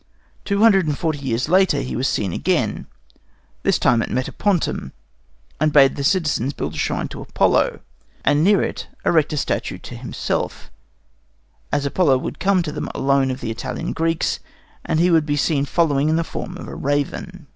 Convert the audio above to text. Two hundred and forty years later he was seen again, this time at Metapontum, and bade the citizens build a shrine to Apollo, and near it erect a statue to himself, as Apollo would come to them alone of the Italian Greeks, and he would be seen following in the form of a raven.